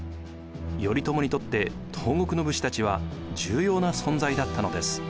頼朝にとって東国の武士たちは重要な存在だったのです。